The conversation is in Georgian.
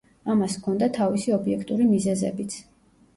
ამას ჰქონდა თავისი ობიექტური მიზეზებიც.